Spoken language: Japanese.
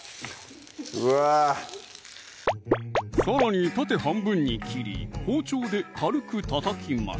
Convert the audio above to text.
うわさらに縦半分に切り包丁で軽くたたきます